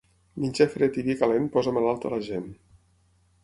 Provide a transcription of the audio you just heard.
Menjar fred i vi calent posa malalta la gent.